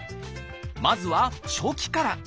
まずは初期から。